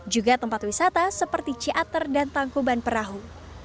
juga tempat wisata seperti ciater dan tangkuban perahu